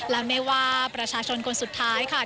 และไม่ว่าประชาชนคนสุดท้ายค่ะ